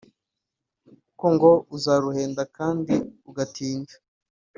kuko ngo uzaruhenda kandi ugatinda